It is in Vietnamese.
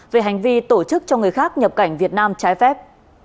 về hành vi tổ chức cho người khác nhập cảnh việt nam trái phép